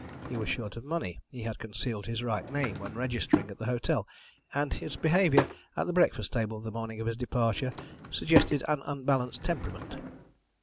He was short of money, he had concealed his right name when registering at the hotel, and his behaviour at the breakfast table the morning of his departure suggested an unbalanced temperament.